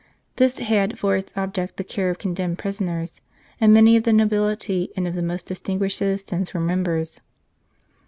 This had for its object the care of condemned prisoners, and many of the nobility and of the most distinguished citizens were members.